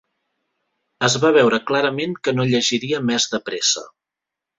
Es va veure clarament que no llegiria més depresa